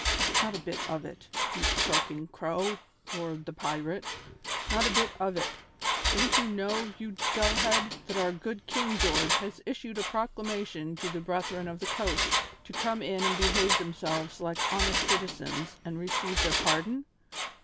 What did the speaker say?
"Not a bit of it, you croaking crow!" roared the pirate. "Not a bit of it. Don't you know, you dull head, that our good King George has issued a proclamation to the Brethren of the Coast to come in and behave themselves like honest citizens and receive their pardon?